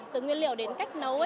từ nguyên liệu đến cách nấu